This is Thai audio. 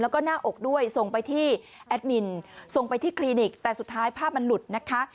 แล้วก็หน้าอกด้วยส่งไปที่แอดมินส่งไปที่คลินิกแต่สุดท้ายภาพมันหลุดนะคะ